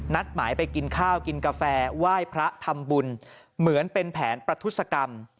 หมายไปกินข้าวกินกาแฟไหว้พระทำบุญเหมือนเป็นแผนประทุศกรรม